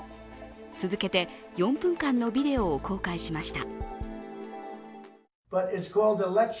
続けて４分間のビデオを公開しました。